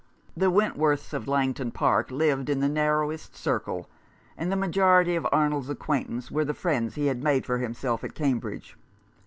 The Went worths of Langton Park lived in the narrowest circle, and the majority of Arnold's acquaintance were the friends he had made for himself at Cambridge.